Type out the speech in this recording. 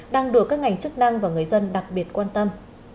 đang được các ngành chức năng và người dân đặc biệt quan tâm